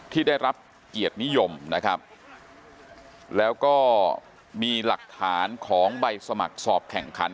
ที่ได้รับเกียรตินิยมนะครับแล้วก็มีหลักฐานของใบสมัครสอบแข่งขัน